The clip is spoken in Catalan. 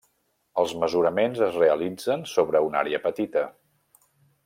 Els mesuraments es realitzen sobre una àrea petita.